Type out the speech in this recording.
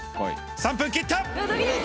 ３分切った。